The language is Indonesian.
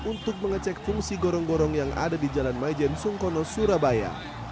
untuk mengecek fungsi gorong gorong yang ada di jalan majen sungkono surabaya